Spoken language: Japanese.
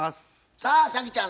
さあ早希ちゃん